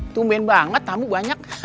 tumben banget tamu banyak